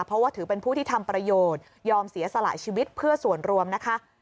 เพราะว่าถือเป็นผู้ที่ทำประโยชน์ยอมเสียสละชีวิตเพื่อส่วนรวมนะคะ